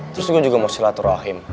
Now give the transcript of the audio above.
terus juga mau silaturahim